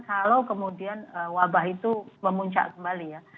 kalau kemudian wabah itu memuncak kembali ya